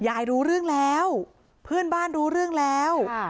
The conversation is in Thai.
ยายรู้เรื่องแล้วเพื่อนบ้านรู้เรื่องแล้ว